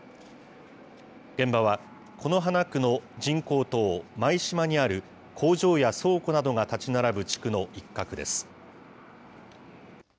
現場は此花区の人工島、舞洲にある工場や倉庫などが建ち並ぶ地区の一角です。